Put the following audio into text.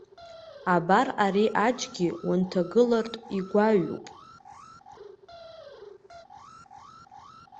Абар, ари аџьгьы унҭагылартә игәаҩоуп.